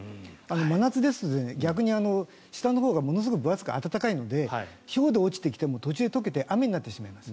真夏ですと逆に下のほうがものすごく分厚くて暖かいのでひょうで落ちてきても途中で溶けて雨になってしまいます。